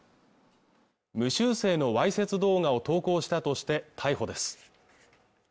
無修正のわいせつ動画を投稿したとして逮捕です